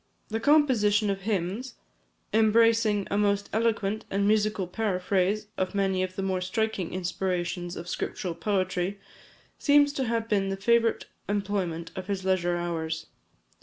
The composition of hymns, embracing a most eloquent and musical paraphrase of many of the more striking inspirations of scriptural poetry, seems to have been the favourite employment of his leisure hours.